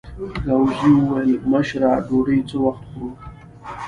ګاووزي وویل: مشره ډوډۍ څه وخت خورو؟